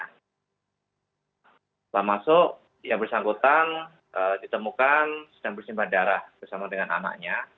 setelah masuk yang bersangkutan ditemukan sedang bersimbah darah bersama dengan anaknya